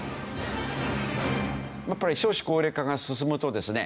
やっぱり少子高齢化が進むとですね